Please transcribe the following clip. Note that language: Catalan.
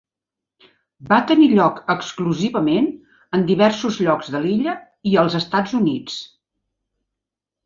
Va tenir lloc exclusivament en diversos llocs de l'illa i als Estats Units.